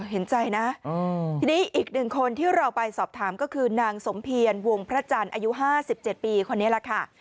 เห็นใจนะทีนี้อีกหนึ่งคนที่เราไปสอบถามก็คือนางสมเพียรวงพระจันทร์อายุ๕๗ปีคนนี้แหละค่ะ